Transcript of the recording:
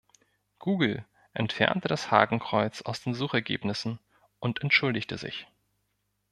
Google entfernte das Hakenkreuz aus den Suchergebnissen und entschuldigte sich.